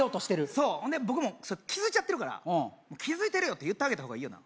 そう僕もうそれ気づいちゃってる「気づいてるよ」って言ってあげた方がいいよな？